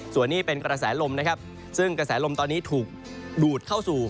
ส่วนนี้เป็นกระแสลมนะครับซึ่งกระแสลมตอนนี้ถูกดูดเข้าสู่